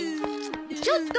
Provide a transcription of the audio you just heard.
ちょっと！